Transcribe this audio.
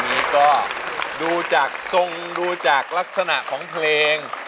อันนี้ก็ดูจากทรงดูจากลักษณะของเพลง